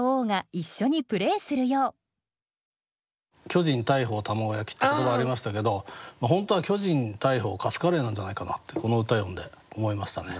「巨人大鵬卵焼き」って言葉ありましたけど本当は「巨人大鵬カツカレー」なんじゃないかなってこの歌読んで思いましたね。